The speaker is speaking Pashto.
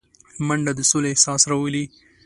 منډه د سولې احساس راولي